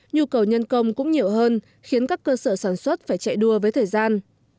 nhu cầu nhân công cũng nhiều hơn khiến các cơ sở sản xuất phải chạy đua với thời gian